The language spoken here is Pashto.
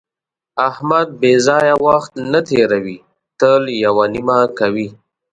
احمد بې ځایه وخت نه تېروي، تل یوه نیمه کوي.